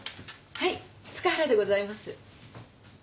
はい塚原でございます。